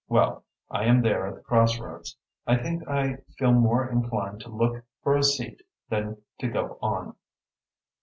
Well, I am there at the crossroads. I think I feel more inclined to look for a seat than to go on."